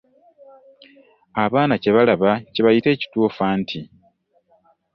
Abaana kye balaba kye bayita ekituufu anti.